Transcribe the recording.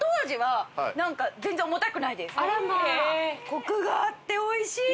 コクがあっておいしい！